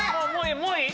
もういい？